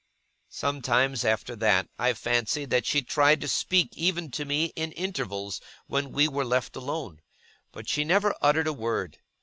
Sometimes, after that, I fancied that she tried to speak even to me, in intervals when we were left alone. But she never uttered a word.